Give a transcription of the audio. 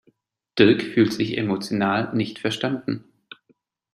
Dirk fühlt sich emotional nicht verstanden.